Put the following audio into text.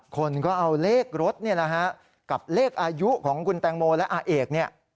คนก็เอาเลขรถเนี่ยนะฮะกับเลขอายุของคุณแตงโมและอาเอกเนี่ย